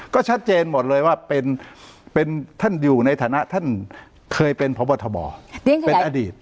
ก็ชัดเจนหมดเลยว่าเป็นท่านอยู่ในฐานะท่านเคยเป็นพบทบเป็นอดีต